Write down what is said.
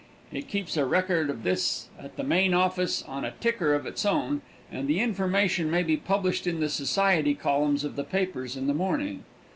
It keeps a record of this at the main office on a ticker of its own, and the information may be published in the society columns of the papers in the morning.